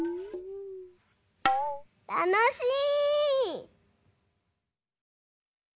たのしい！